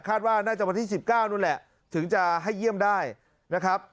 ว่าน่าจะวันที่๑๙นู้นแหละถึงจะให้เยี่ยมได้นะครับ